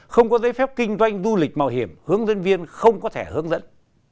không có giấy phép kinh doanh du lịch mạo hiểm hướng dân viên không có thể hướng dẫn